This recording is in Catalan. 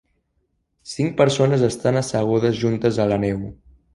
Cinc persones estan assegudes juntes a la neu.